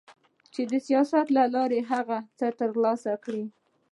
چي د سياست له لارې هغه څه ترلاسه کړي